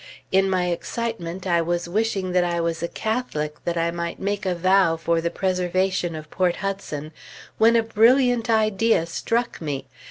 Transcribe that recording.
In my excitement, I was wishing that I was a Catholic, that I might make a vow for the preservation of Port Hudson, when a brilliant idea struck me.